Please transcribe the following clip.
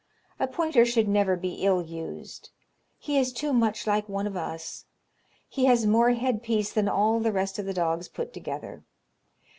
A pointer should never be ill used. He is too much like one of us. He has more headpiece than all the rest of the dogs put together.